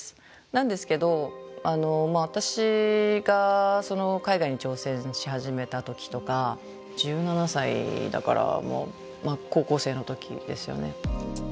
なんですけど私が海外に挑戦し始めた時とか１７歳だからまあ高校生の時ですよね。